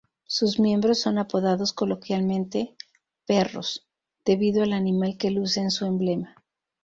Sus miembros son apodados coloquialmente "perros" debido al animal que luce en su emblema.